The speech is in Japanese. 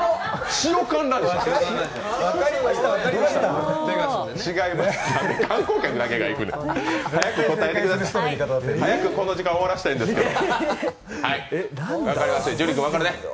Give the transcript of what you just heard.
塩観覧車？早くこの時間終わらせたいんですけど。